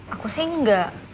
aku sih enggak